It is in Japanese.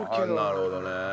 なるほどね。